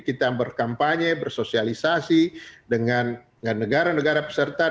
kita berkampanye bersosialisasi dengan negara negara peserta